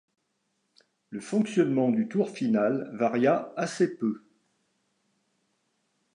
Le fonctionnement du tour final varia assez peu.